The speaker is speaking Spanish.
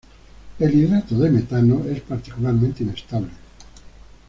El hidrato de metano es particularmente inestable.